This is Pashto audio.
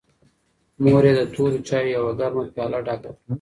مور یې د تورو چایو یوه ګرمه پیاله ډکه کړه.